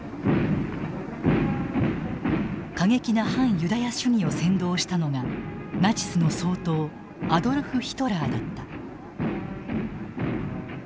過激な反ユダヤ主義を扇動したのがナチスの総統アドルフ・ヒトラーだった。